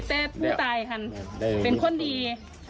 แต่ผู้ตายค่ะเป็นคนดี